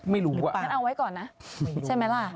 ไม่รู้กว่าไม่รู้